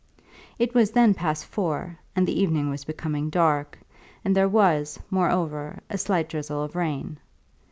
It was then past four, and the evening was becoming dark, and there was, moreover, a slight drizzle of rain.